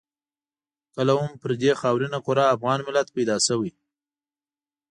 کله هم پر دې خاورینه کره افغان ملت پیدا شوی.